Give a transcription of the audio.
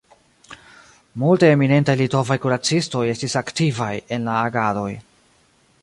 Multaj eminentaj litovaj kuracistoj estis aktivaj en la agadoj.